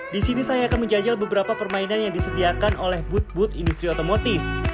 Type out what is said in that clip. di sini saya akan menjajal beberapa permainan yang disediakan oleh booth booth industri otomotif